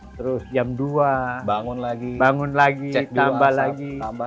terus jam dua bangun lagi tambah lagi